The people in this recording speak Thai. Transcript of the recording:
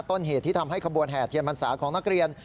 ต้นเหตุที่ทำให้ขบวนแห่เทียนพรรษาของนักเรียน